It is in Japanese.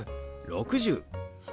６０。